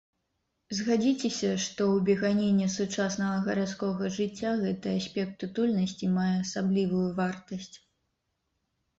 Згадзіцеся, што ў беганіне сучаснага гарадскога жыцця гэты аспект утульнасці мае асаблівую вартасць.